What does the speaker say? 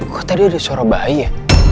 kok tadi ada suara bayi ya